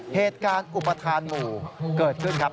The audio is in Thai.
เหตุการณ์อุปทานหมู่เกิดขึ้นครับ